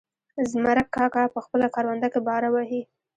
زمرک کاکا په خپله کرونده کې باره وهي.